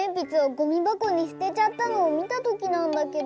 ゴミばこにすてちゃったのをみたときなんだけど。